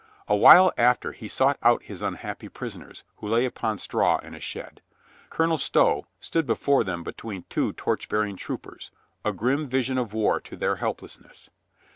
A while after he sought out his unhappy prison ers, who lay upon straw in a shed. Colonel Stow stood before them between two torch bearing troop ers, a grim vision of war to their helplessness.